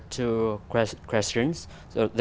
tôi cảm thấy tốt